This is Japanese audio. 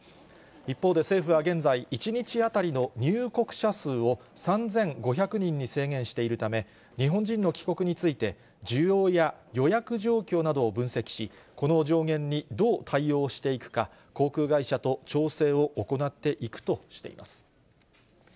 一方で、政府は現在、１日当たりの入国者数を３５００人に制限しているため、日本人の帰国について、需要や予約状況などを分析し、この上限にどう対応していくか、航空会社と調整を行っていくとしています。